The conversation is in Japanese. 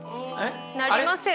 なりません。